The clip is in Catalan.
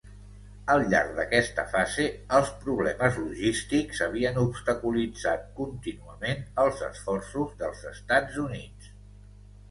Al llarg d'aquesta fase, els problemes logístics havien obstaculitzat contínuament els esforços dels Estats Units.